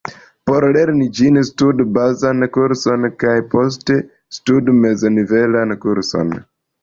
Por lerni ĝin, studu bazan kurson kaj poste studu mez-nivelan kurson.